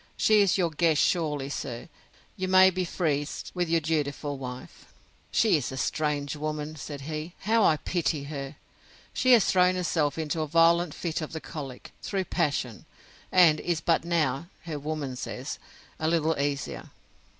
She is your guest surely, sir, you may be freest with your dutiful wife! She is a strange woman, said he: How I pity her!—She has thrown herself into a violent fit of the colic, through passion: And is but now, her woman says, a little easier.